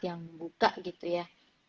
yang buka gitu ya